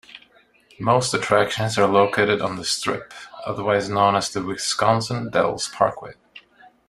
Most attractions are located on the Strip, otherwise known as the Wisconsin Dells Parkway.